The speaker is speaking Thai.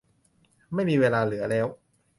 ไม่มีเวลาเหลือแล้ว